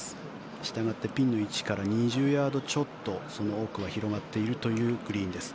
したがってピンの位置から２０ヤードちょっとその奥は広がっているというグリーンです。